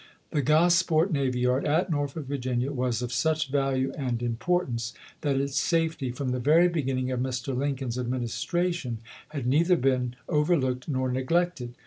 The Gosport navy yard, at Norfolk, Virginia, was of such value and importance that its safety, from the very beginning of Mr. Lincoln's Adminis tration, had neither been overlooked nor neglected.